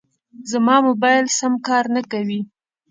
زما موبایل سم کار نه کوي.